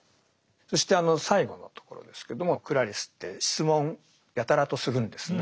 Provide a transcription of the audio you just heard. そしてあの最後のところですけどもクラリスって質問やたらとするんですね。